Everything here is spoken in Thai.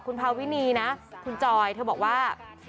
คุณพาวินีนะคุณจอยเธอบอกว่า